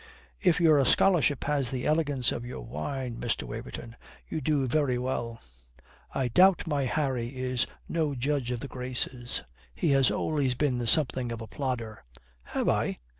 "If your scholarship has the elegance of your wine, Mr. Waverton, you do very well. I doubt my Harry is no judge of the graces. He has always been something of a plodder." "Have I?"